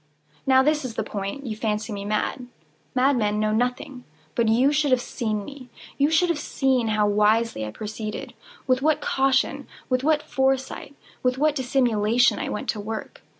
Now this is the point. You fancy me mad. Madmen know nothing. But you should have seen me. You should have seen how wisely I proceeded—with what caution—with what foresight—with what dissimulation I went to work!